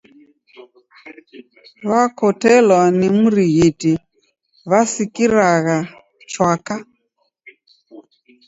Wakotelwa ni mrighiti wasikiragha chwaka?